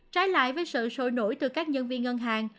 trái lại với sự sôi nổi từ các nhân viên ngân hàng